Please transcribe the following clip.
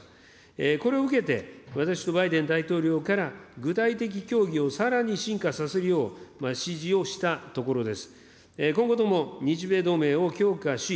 これを受けて、私とバイデン大統領から、具体的協議をさらに深化させるよう、しじをしたところです。